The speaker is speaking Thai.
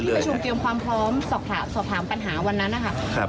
สอบถามปัญหาวันนั้นนะครับ